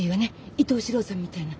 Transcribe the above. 伊東四朗さんみたいな。